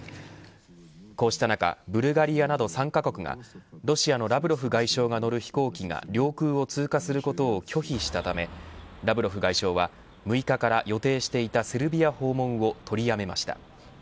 こうした中ブルガリアなど３カ国がロシアのラブロフ外相が乗る飛行機が領空を通過することを拒否したためラブロフ外相は６日から予定していたセルビア訪問を取りやめました。